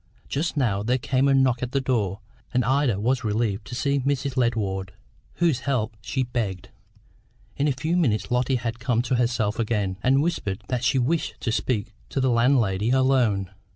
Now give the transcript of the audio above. Just now there came a knock at the door, and Ida was relieved to see Mrs. Ledward, whose help she begged. In a few minutes Lotty had come to herself again, and whispered that she wished to speak to the landlady alone.